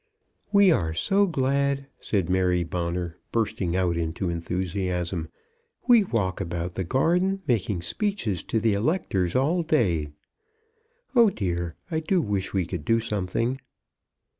"We are so glad," said Mary Bonner, bursting out into enthusiasm. "We walk about the garden making speeches to the electors all day. Oh dear, I do wish we could do something."